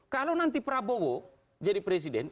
kalau nanti prabowo jadi presiden